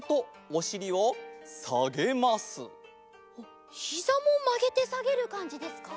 おっひざもまげてさげるかんじですか？